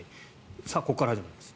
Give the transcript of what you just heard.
さあ、ここから始まります。